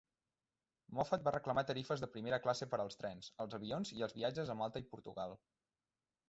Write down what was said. Moffat va reclamar tarifes de primera classe per als trens, els avions i els viatges a Malta i Portugal.